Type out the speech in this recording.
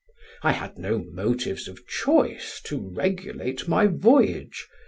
I had no motives of choice to regulate my voyage.